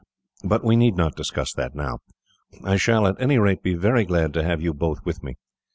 But we need not discuss that now. I shall, at any rate, be very glad to have you both with me.